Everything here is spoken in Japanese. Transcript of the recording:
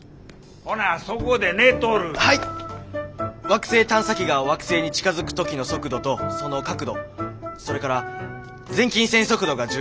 惑星探査機が惑星に近づく時の速度とその角度それから漸近線速度が重要です。